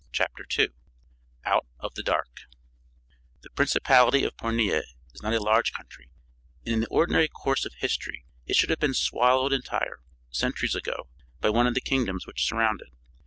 _ SECOND TALE OUT OF THE DARK BY MAX BRAND The principality of Pornia is not a large country and in the ordinary course of history it should have been swallowed entire, centuries ago, by one of the kingdoms which surround it.